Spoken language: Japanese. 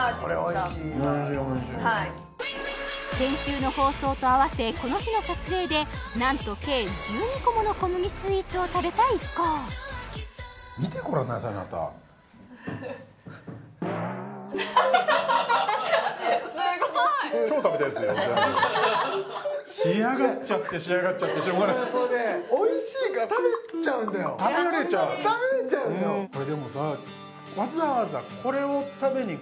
これおいしいわ先週の放送と合わせこの日の撮影でなんと計１２個もの小麦スイーツを食べた一行見てごらんなさいあなたすごい！仕上がっちゃって仕上がっちゃってしょうがない食べられちゃう食べられちゃうよでもさありますね